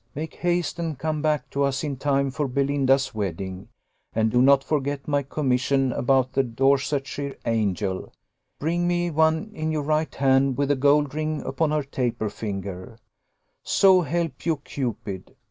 make haste and come back to us in time for Belinda's wedding and do not forget my commission about the Dorsetshire angel; bring me one in your right hand with a gold ring upon her taper finger so help you, Cupid!